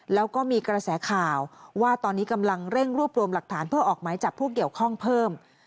แล้วก็มีกระแสข่าวว่าตอนนี้กำลังเร่งรวบรวมหลักฐานเพื่อออกหมายจับผู้เกี่ยวข้องเพิ่ม